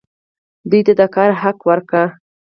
دوی ته د کار حق ورکړئ